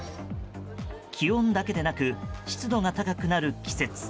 気温だけでなく湿度が高くなる季節。